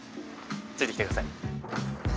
ついてきてください。